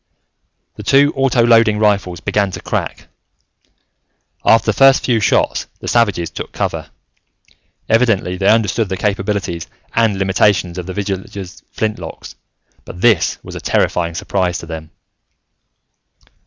The two auto loading rifles began to crack. After the first few shots, the savages took cover. Evidently they understood the capabilities and limitations of the villagers' flintlocks, but this was a terrifying surprise to them.